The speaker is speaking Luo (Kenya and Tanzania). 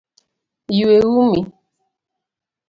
Yue umi